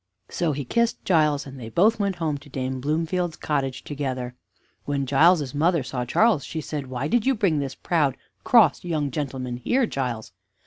So he kissed Giles, and they both went home to Dame Bloomfield's cottage together. When Giles's mother saw Charles, she said: "Why did you bring this proud, cross, young gentleman here, Giles?"